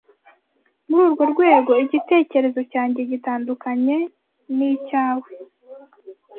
Muri urwo rwego, igitekerezo cyanjye gitandukanye n'icyawe.